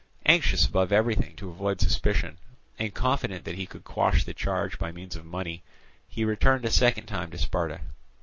Anxious above everything to avoid suspicion, and confident that he could quash the charge by means of money, he returned a second time to Sparta.